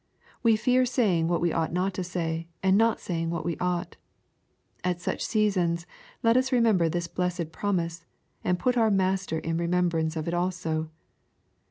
We fear saying what we ought not to say, and not saying what we ought. At such seasons, let us remember this blessed promise, and put our Master in remembrance of it also.